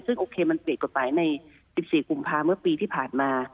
ซึ่งโอเคมันเปลี่ยนกฎหมายใน๑๔กุมภาเมื่อปีที่ผ่านมา